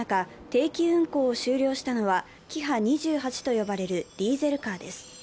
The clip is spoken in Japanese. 定期運行を終了したのはキハ２８と呼ばれるディーゼルカーです。